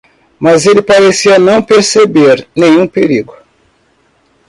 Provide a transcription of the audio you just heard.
Mas ele parecia não perceber nenhum perigo.